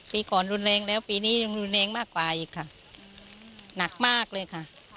ปีก่อนรุนแรงแล้วปีนี้ยังรุนแรงมากกว่าอีกค่ะหนักมากเลยค่ะ